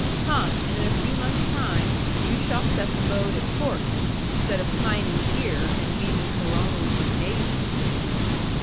Come, and in a few months' time you shall set the mode at Court, instead of pining here, and weaving coronals of daisies."